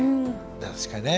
確かにね。